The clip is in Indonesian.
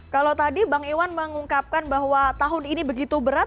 kalau tadi bang iwan mengungkapkan bahwa tahun ini begitu berat